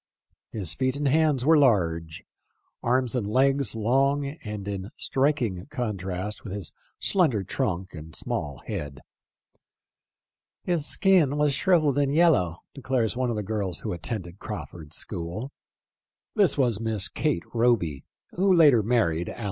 His feet and hands were large/ arms and legs long and in striking contrast with his slender trunk and small head. " His skin was shrivelled and yellow," declares one of the girls* who attended Crawford's school.